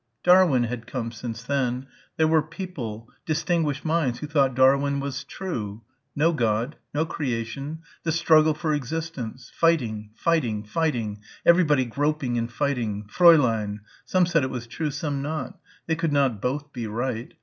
Darwin had come since then. There were people ... distinguished minds, who thought Darwin was true. No God. No Creation. The struggle for existence. Fighting.... Fighting.... Fighting.... Everybody groping and fighting.... Fräulein.... Some said it was true ... some not. They could not both be right.